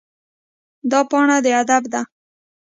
دا پاڼه د ادب ده.